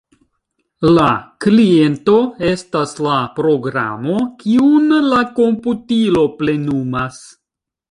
La kliento estas la programo, kiun la komputilo plenumas.